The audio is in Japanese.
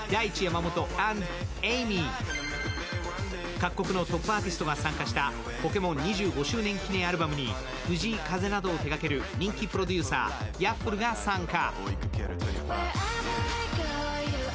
各国のトップアーティストが参加したポケモン２５周年記念アルバムに藤井風などを手がける人気プロデューサーＹａｆｆｌｅが参加。